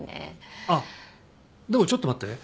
あっでもちょっと待って。